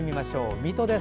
水戸です。